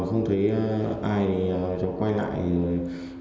không thấy ai cháu quay lại